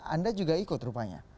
anda juga ikut rupanya